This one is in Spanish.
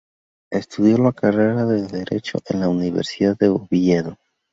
Estudió la carrera de Derecho en la Universidad de Oviedo.